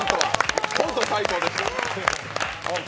コント最高でした。